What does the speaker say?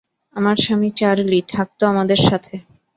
আমার স্বামী চার্লি, থাকত আমাদের সাথে।